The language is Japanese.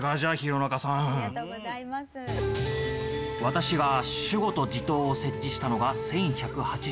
私が守護と地頭を設置したのが１１８５年。